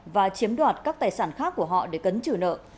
và chiếm đoạt các tài sản khác của họ để cấn trừ nợ